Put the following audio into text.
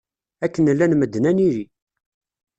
Akken llan medden ad nili.